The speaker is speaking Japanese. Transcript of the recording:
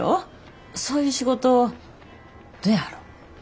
そういう仕事どやろ？